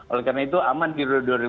oleh karena itu aman di dua ribu dua puluh